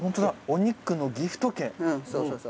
お肉のギフト券。